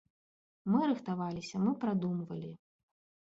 Мы рыхтаваліся, мы прадумвалі.